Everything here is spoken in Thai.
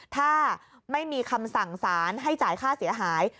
ถ้าไม่มีคำสั่งสารให้จ่ายค่าเสียหาย